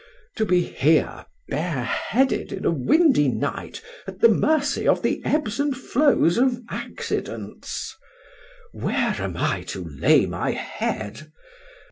—to be here, bareheaded, in a windy night, at the mercy of the ebbs and flows of accidents!—Where am I to lay my head?